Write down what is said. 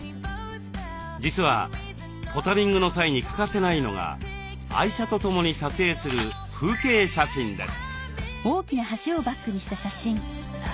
実はポタリングの際に欠かせないのが愛車とともに撮影する風景写真です。